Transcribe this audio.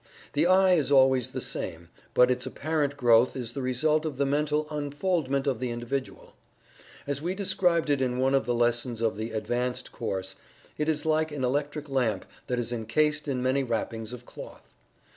The "I" is always the same, but its apparent growth is the result of the mental unfoldment of the individual. As we described it in one of the lessons of the "Advanced Course" it is like an electric lamp that is encased in many wrappings of cloth.